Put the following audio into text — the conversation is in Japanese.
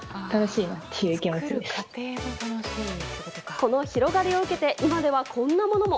この広がりを受けて今ではこんなものも。